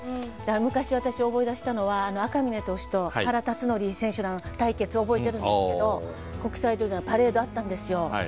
昔私思い出したのは赤嶺投手と原辰徳選手の対決覚えてるんですけど国際通りのパレードあったんですよ。